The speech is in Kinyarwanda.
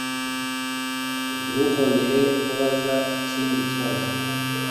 Ntukongere kubaza ikindi kibazo